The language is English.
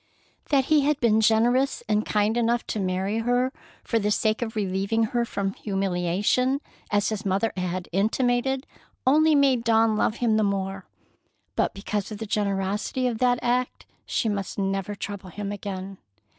That he had been generous and kind enough to marry her for the sake of relieving her from humiliation, as his mother had intimated, only made Dawn love him the more. But because of the generosity of that act, she must never trouble him again.